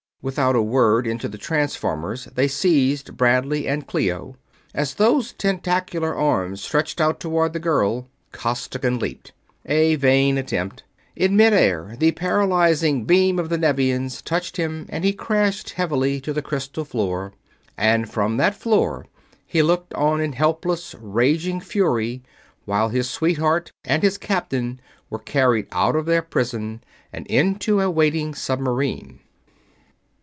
Without a word into the transformers they seized Bradley and Clio. As those tentacular arms stretched out toward the girl, Costigan leaped. A vain attempt. In midair the paralyzing beam of the Nevians touched him and he crashed heavily to the crystal floor; and from that floor he looked on in helpless, raging fury while his sweetheart and his captain were carried out of their prison and into a waiting submarine.